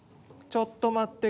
ちょっと待って。